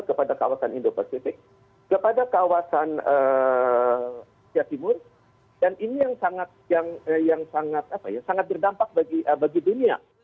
kepada kawasan indo pasifik kepada kawasan jawa timur dan ini yang sangat berdampak bagi dunia